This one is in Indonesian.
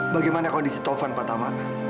bagaimana kondisi taufan pak tama